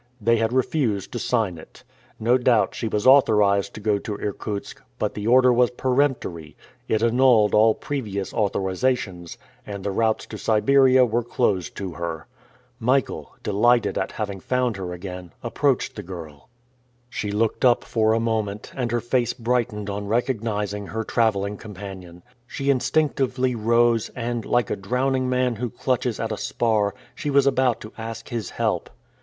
They had refused to sign it. No doubt she was authorized to go to Irkutsk, but the order was peremptory it annulled all previous au thorizations, and the routes to Siberia were closed to her. Michael, delighted at having found her again, approached the girl. She looked up for a moment and her face brightened on recognizing her traveling companion. She instinctively rose and, like a drowning man who clutches at a spar, she was about to ask his help.